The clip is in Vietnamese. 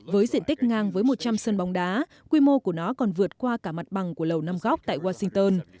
với diện tích ngang với một trăm linh sân bóng đá quy mô của nó còn vượt qua cả mặt bằng của lầu năm góc tại washington